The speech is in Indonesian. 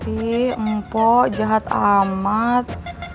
eh empok jahat amat